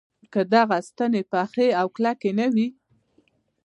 که دغه ستنې پخې او کلکې نه وي.